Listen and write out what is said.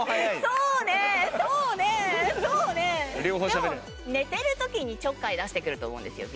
でも寝てる時にちょっかい出してくると思うんですよ